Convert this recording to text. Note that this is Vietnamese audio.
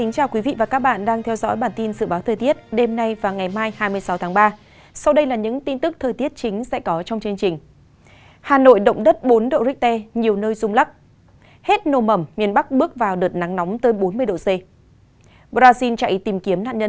các bạn hãy đăng ký kênh để ủng hộ kênh của chúng mình nhé